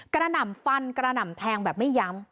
หน่ำฟันกระหน่ำแทงแบบไม่ย้ำ